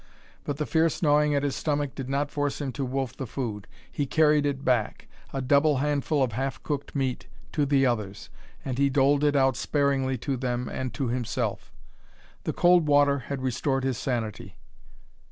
But the fierce gnawing at his stomach did not force him to wolf the food. He carried it back, a double handful of half cooked meat, to the others. And he doled it out sparingly to them and to himself. The cold water had restored his sanity.